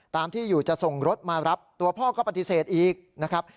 ตามที่อยู่จะส่งรถมารับตัวพ่อก็ปฏิเสธอีกนะครับ